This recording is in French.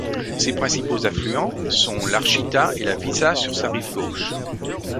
Ses principaux affluents sont l'Archita et la Vișa sur sa rive gauche.